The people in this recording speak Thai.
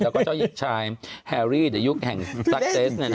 แล้วก็เจ้าชายแฮรี่ในยุคแห่งซักเซส